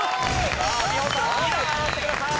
さあ美穂さん２段上がってください。